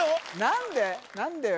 何で？